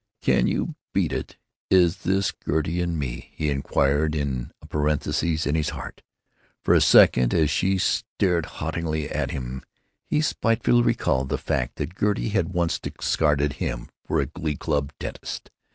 "Can you beat it! Is this Gertie and me?" he inquired in a parenthesis in his heart. For a second, as she stared haughtily at him, he spitefully recalled the fact that Gertie had once discarded him for a glee club dentist.